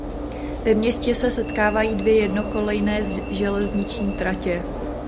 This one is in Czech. Ve městě se setkávají dvě jednokolejné železniční tratě.